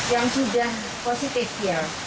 yang sudah positif ya